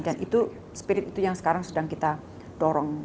dan itu spirit itu yang sekarang sudah kita dorong